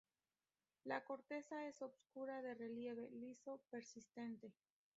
La corteza es oscura, de relieve liso, persistente.